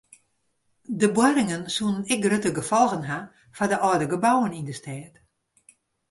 De boarringen soene ek grutte gefolgen ha foar de âlde gebouwen yn de stêd.